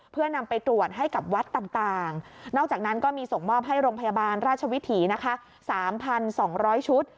เพื่อนำไปตรวจให้กับวัดต่างนอกจากนั้นก็มีส่งมอบให้โรงพยาบาลราชวิถีนะคะ๓๒๐๐ชุด